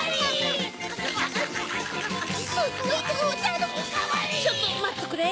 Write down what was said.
ちょっとまっとくれ！